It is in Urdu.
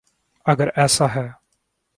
اگر ایسا ہے۔